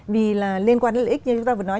vì là liên quan đến lợi ích như chúng ta vừa nói